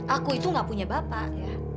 aku itu gak punya bapak ya